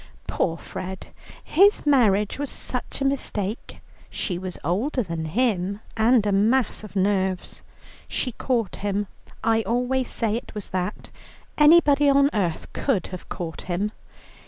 "Poor Fred, his marriage was such a mistake. She was older than him, and a mass of nerves. She caught him. I always said it was that; anybody on earth could have caught him.